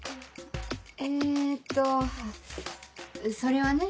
えっとそれはね。